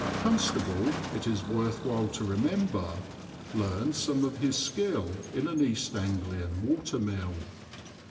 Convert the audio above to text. Constable, it is worth while to remember, learned some of his skill in an East Anglian watermill.